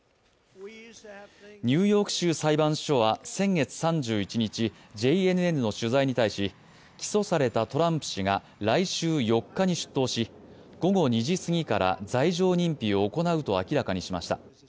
ニューヨーク州裁判所は先月３１日、ＪＮＮの取材に対し起訴されたトランプ氏が来週４日に出頭し午後２時すぎから、罪状認否を行うと明らかにしました。